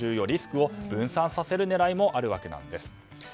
リスクを分散させる狙いもあるわけなんです。